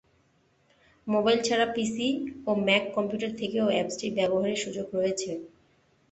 Mobile ছাড়া PC ও Mac computer থেকেও অ্যাপসটি ব্যবহারের সুযোগ রয়েছে।